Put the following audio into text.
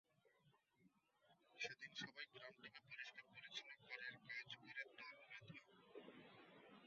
সেদিন সবাই গ্রামটিকে পরিষ্কার পরিচ্ছন্ন করার কাজ করে দল বেঁধে।